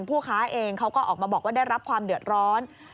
ผู้ค้าเองเขาก็ออกมาบอกว่าได้รับความเดือดร้อน